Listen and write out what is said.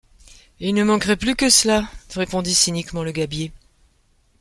Il ne manquerait plus que cela ! répondit cyniquement le gabier